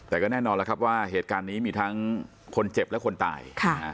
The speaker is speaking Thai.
แต่ก็แน่นอนแล้วครับว่าเหตุการณ์นี้มีทั้งคนเจ็บและคนตาย